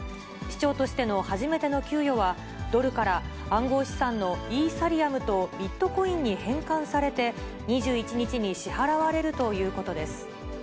市長としての初めての給与は、ドルから暗号資産のイーサリアムとビットコインに変換されて、２１日に支払われるということです。